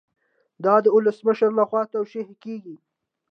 دا د ولسمشر لخوا توشیح کیږي.